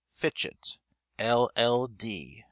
Fitchett, LL. D.